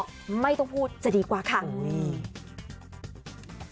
ก็ไม่ต้องพูดจะดีกว่าค่ะ